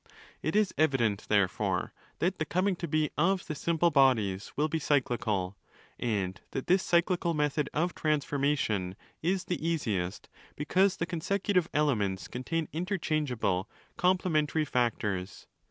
It is evident, therefore, that the coming to be of the 'simple' bodies will be cyclical; and that this cyclical method of transformation is the easiest, because the coz secutive 'elements' contain interchangeable 'complementary factors'.